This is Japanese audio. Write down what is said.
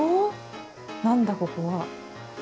何だここは？